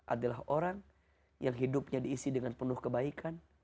adalah orang yang hidupnya diisi dengan penuh kebaikan